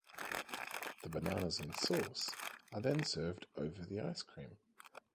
The bananas and sauce are then served over the ice cream.